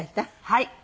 はい。